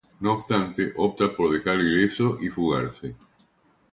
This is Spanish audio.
No obstante, opta por dejarlo ileso y fugarse.